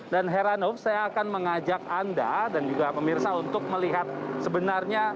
dan heran awal saya akan mengajak anda dan juga pemirsa untuk melihat sebenarnya